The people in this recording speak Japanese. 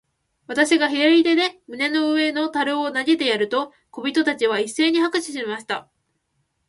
私が左手で胸の上の樽を投げてやると、小人たちは一せいに拍手しました。